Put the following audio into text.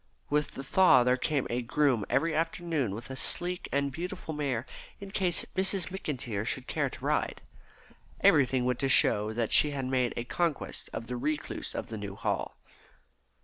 With the thaw there came a groom every afternoon with a sleek and beautiful mare in case Miss McIntyre should care to ride. Everything went to show that she had made a conquest of the recluse of the New Hall.